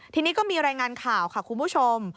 ทีนี้ก็มีรายงานข่าวค่ะคุณผู้ชม